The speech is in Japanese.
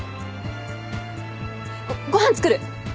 ご飯作る！